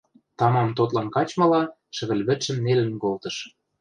Тамам тотлын качмыла шӹвӹльвӹдшӹм нелӹн колтыш.